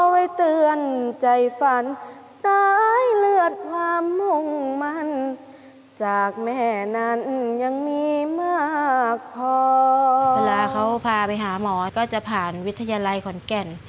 เวลาเขาพาไปหาหมอก็จะผ่านวิทยาลัยขวัญแก่น